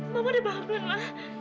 mama di bangunin ma